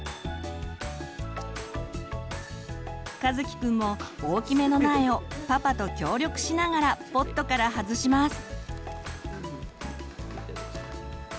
かずきくんも大きめの苗をパパと協力しながらポットから外します。